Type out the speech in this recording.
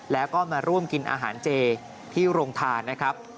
แล้วก็มาร่วมกินอาหารเจที่โรงทานนะครับ